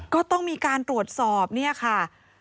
ก็ต้องมีการตรวจสอบเนี่ยค่ะ